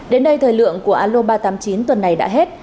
đến đây thời lượng của alo ba trăm tám mươi chín tuần này đã hết